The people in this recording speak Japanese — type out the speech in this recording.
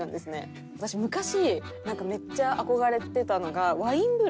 私昔めっちゃ憧れてたのがワイン風呂。